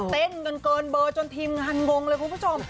เต้นกันเกินเบอร์จนทีมงานงงเลยคุณผู้ชม